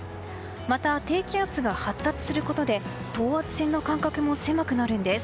また、低気圧が発達することで等圧線の間隔も狭くなるんです。